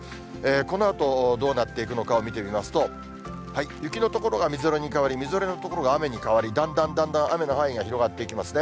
このあとどうなっていくのかを見てみますと、雪の所がみぞれに変わり、みぞれの所が雨に変わり、だんだんだんだん雨の範囲が広がっていきますね。